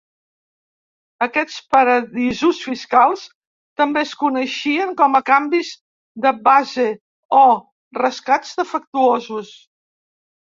Aquests paradisos fiscals també es coneixien com a "canvis de base" o "rescats defectuosos".